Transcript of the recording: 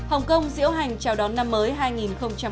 hồng kông diễu hành chào đón năm mới hai nghìn một mươi bảy